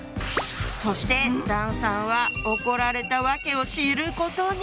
そして段さんは怒られた訳を知ることに！